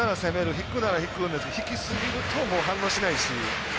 引くなら引くなんですけど引きすぎると反応しないし。